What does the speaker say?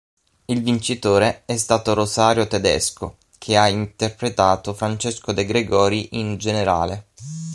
Il vincitore è stato Rosario Tedesco che ha interpretato Francesco De Gregori in "Generale".